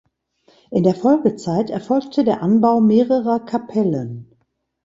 In der Folgezeit erfolgte der Anbau mehrerer Kapellen.